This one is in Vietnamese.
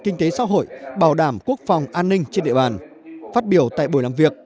kinh tế xã hội bảo đảm quốc phòng an ninh trên địa bàn phát biểu tại buổi làm việc